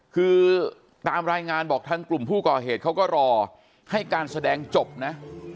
คือตามรายงานบอกทางกลุ่มผู้ก่อเหตุเขาก็รอให้การแสดงจบนะ